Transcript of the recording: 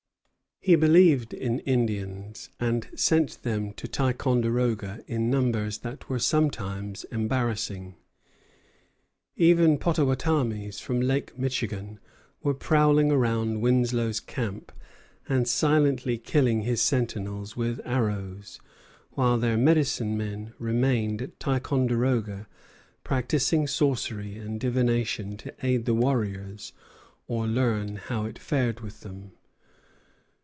He believed in Indians, and sent them to Ticonderoga in numbers that were sometimes embarrassing. Even Pottawattamies from Lake Michigan were prowling about Winslow's camp and silently killing his sentinels with arrows, while their "medicine men" remained at Ticonderoga practising sorcery and divination to aid the warriors or learn how it fared with them.